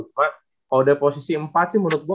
cuma kalau udah posisi empat sih menurut gue